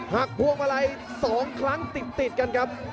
พวงมาลัย๒ครั้งติดกันครับ